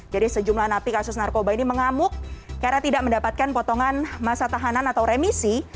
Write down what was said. jadi sejumlah napi kasus narkoba ini mengamuk karena tidak mendapatkan potongan masa tahanan atau remisi